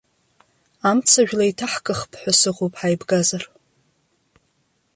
Амцажәла еиҭаҳкыхп ҳәа сыҟоуп ҳаибгазар.